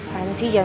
lain sih jan